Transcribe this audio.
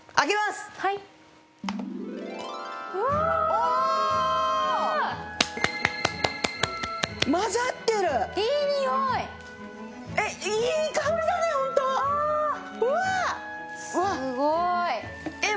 すごーい！